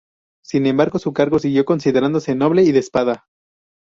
Sin embargo, su cargo siguió considerándose noble y de espada.